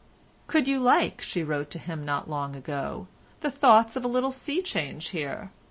"Could you like," she wrote to him not long ago, "the thoughts of a little sea change here?